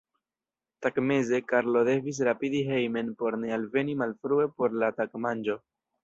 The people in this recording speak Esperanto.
Tagmeze Karlo devis rapidi hejmen por ne alveni malfrue por la tagmanĝo.